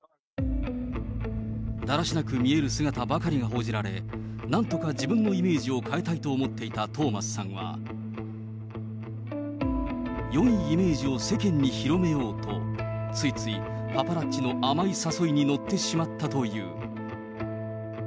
だらしなく見える姿ばかりが報じられ、なんとか自分のイメージを変えたいと思っていたトーマスさんは、よいイメージを世間に広めようと、ついついパパラッチの甘い誘いに乗ってしまったという。